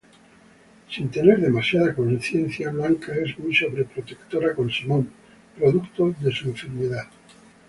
Sin tener demasiada consciencia, Blanca es muy sobreprotectora con Simón, producto de su enfermedad.